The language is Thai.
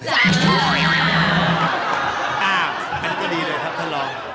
อันนี้ดีเลยครับท่านรอง